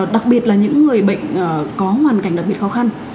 đặc biệt là những người bệnh có hoàn cảnh đặc biệt khó khăn